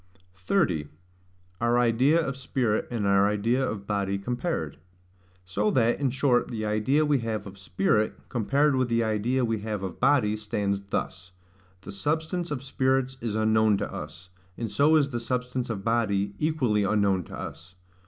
30. Our idea of Spirit and our idea of Body compared. So that, in short, the idea we have of spirit, compared with the idea we have of body, stands thus: the substance of spirits is unknown to us; and so is the substance of body equally unknown to us.